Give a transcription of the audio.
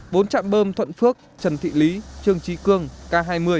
bốn trạm bơm thuận phước trần thị lý trường trí cương k hai mươi